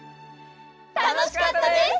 たのしかったです。